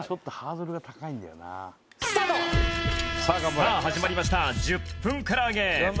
さあ始まりました１０分唐揚げ